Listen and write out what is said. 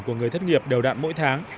của người thất nghiệp đều đạn mỗi tháng